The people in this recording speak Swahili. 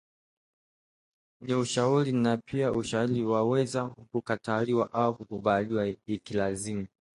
ni ushauri na pia ushauri waweza kukataliwa au kukubaliwa ikilazimu